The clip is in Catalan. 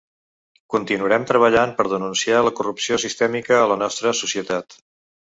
Continuarem treballant per denunciar la corrupció sistèmica a la nostra societat.